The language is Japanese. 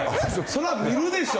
そりゃ見るでしょ！